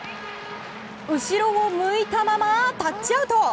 後ろを向いたままタッチアウト！